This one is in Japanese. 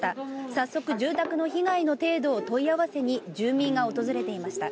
早速、住宅の被害の程度を問い合わせに住民が訪れていました。